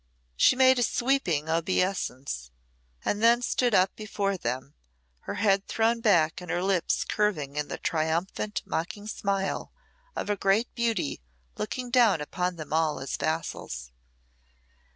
She made a sweeping obeisance and then stood up before them, her head thrown back and her lips curving in the triumphant mocking smile of a great beauty looking upon them all as vassals.